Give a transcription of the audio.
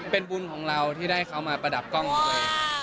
เป็นบุญของเราที่ได้เขามาประดับกล้องด้วย